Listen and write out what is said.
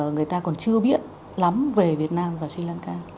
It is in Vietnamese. người ta còn chưa biết lắm về việt nam và sri lanka